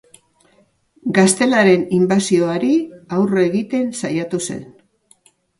Gaztelaren inbasioari aurre egiten saiatu zen.